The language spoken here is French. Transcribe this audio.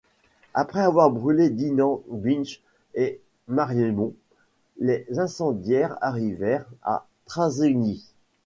Après avoir brûlé, Dinant, Binche et Mariemont, les incendiaires arrivèrent à Trazegnies.